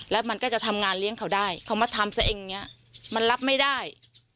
แล้วมันก็จะทำงานเลี้ยงเขาได้เขามาทำซะเองอย่างนี้มันรับไม่ได้